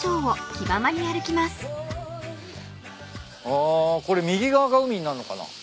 あこれ右側が海になんのかな？